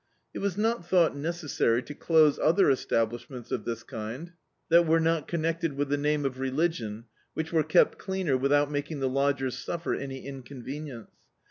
It was not thought necessary to dose other establishments of this kind, that were not connected with the name of religion, which were kept cleaner without making the lodgers suffer any inconvenience.